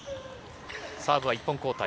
サーブは１本交代。